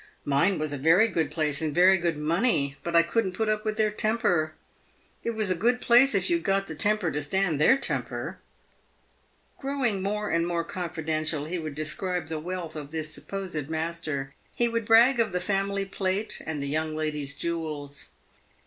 Mine was a very good place, and very good money, but I couldn't put up with their temper. It was a good place if you'd got the temper to stand their temper." Growing more and more confi dential, he would describe the wealth of this supposed master. He would Drag of the family plate and the young ladies' jewels.